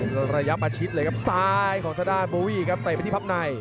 ยืนระยับมาชิดเลยครับซ้ายของทะดาโบวี่ครับเตะไปที่ภาพใน